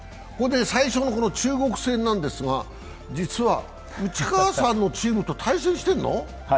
最初の中国戦なんですが、実は内川さんのチームと対戦してるの？